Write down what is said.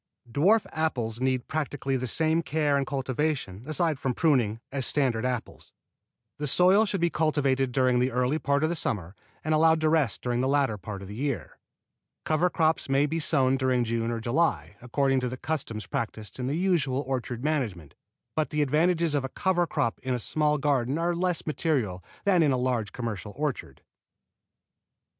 Dwarf apples need practically the same care and cultivation, aside from pruning, as standard apples. The soil should be cultivated during the early part of the summer and allowed to rest during the latter part of the year. Cover crops may be sown during June or July, according to the custom practised in the usual orchard management; but the advantages of a cover crop in a small garden are less material than in a large commercial orchard.